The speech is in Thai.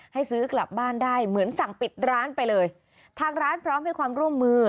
ให้ซื้อกลับบ้านได้เหมือนสั่งปิดร้านไปเลยทางร้านพร้อมให้ความร่วมมือ